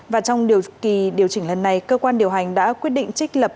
và trong điều chỉnh lần này cơ quan điều hành đã quyết định trích lập